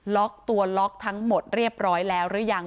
ล็อกตัวล็อกทั้งหมดเรียบร้อยแล้วหรือยัง